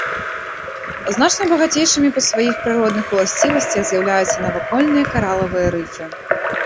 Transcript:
Значна багацейшымі па сваіх прыродных уласцівасцях з'яўляюцца навакольныя каралавыя рыфы.